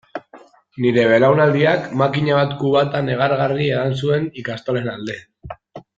Nire belaunaldiak makina bat kubata negargarri edan zuen ikastolen alde.